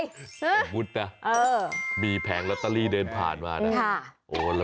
สมมุตินะมีแผงลอตเตอรี่เดินผ่านมานะ